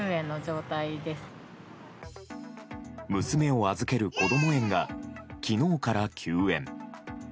娘を預けるこども園が昨日から休園。